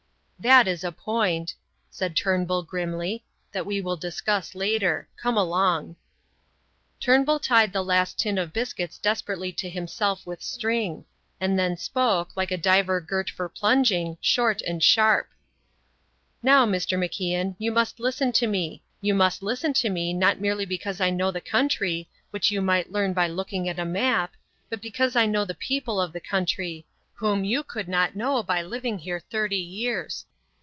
"That is a point," said Turnbull, grimly, "that we will discuss later. Come along." Turnbull tied the last tin of biscuits desperately to himself with string; and then spoke, like a diver girt for plunging, short and sharp. "Now, Mr. MacIan, you must listen to me. You must listen to me, not merely because I know the country, which you might learn by looking at a map, but because I know the people of the country, whom you could not know by living here thirty years.